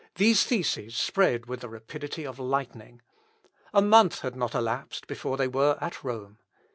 These theses spread with the rapidity of lightning. A month had not elapsed before they were at Rome.